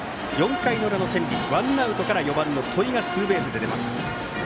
４回の裏の天理ワンアウトから４番の戸井がツーベースで出ます。